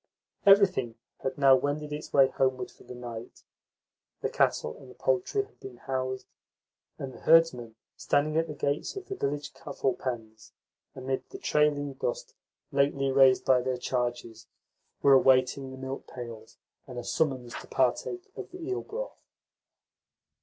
Everything had now wended its way homeward for the night; the cattle and poultry had been housed, and the herdsmen, standing at the gates of the village cattle pens, amid the trailing dust lately raised by their charges, were awaiting the milk pails and a summons to partake of the eel broth.